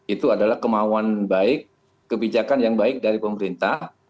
itu adalah kemauan baik kebijakan yang baik dari pemerintah